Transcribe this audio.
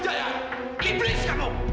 jangan ber educator